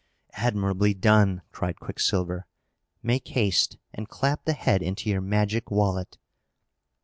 "Admirably done!" cried Quicksilver. "Make haste, and clap the head into your magic wallet."